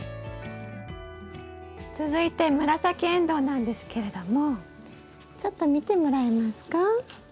続いて紫エンドウなんですけれどもちょっと見てもらえますか？